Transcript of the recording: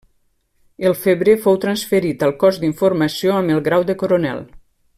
El febrer fou transferit al cos d'informació amb el grau de Coronel.